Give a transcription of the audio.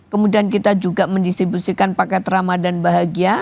kemudian kita juga mendistribusikan paket ramadan bahagia